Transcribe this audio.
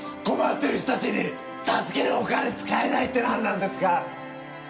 困っている人たちに助けるお金使えないってなんなんですか！？